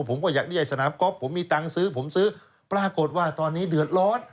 ผมก็อยากได้สนามก๊อฟผมมีตังค์ซื้อผมซื้อปรากฏว่าตอนนี้เดือดร้อน